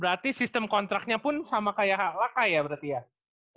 berarti sistem kontraknya pun sama kayak laka ya berarti ya